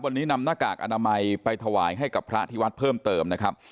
วันนี้นำหน้ากากอนามัยไปถวายให้กับพระที่วัดเพิ่มเติมนะครับ